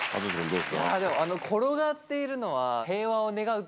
どうですか？